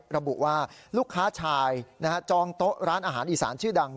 ระบุว่าลูกค้าชายจองโต๊ะร้านอาหารอีสานชื่อดัง